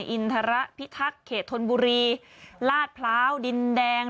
อินทรพิทักษ์เขตธนบุรีลาดพร้าวดินแดง